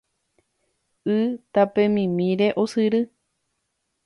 Y tapemimíre osyry